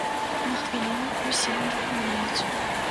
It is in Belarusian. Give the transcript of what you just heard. На хвіліну ўсе нерухомеюць.